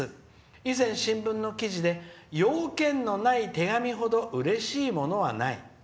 以前、新聞の記事で用件のない手紙ほどうれしいものはない。